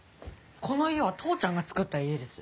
この家は父ちゃんがつくった家です。